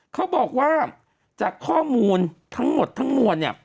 เขาบอกว่าจากข้อมูลทั้งหมดทั้งมวลเนี่ย